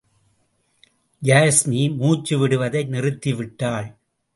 யாஸ்மி, மூச்சு விடுவதை நிறுத்திவிட்டாள்.